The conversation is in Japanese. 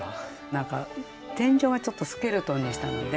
何か天井がちょっとスケルトンにしたので。